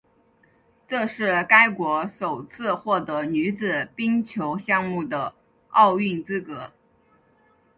这是该国首次获得女子冰球项目的奥运资格。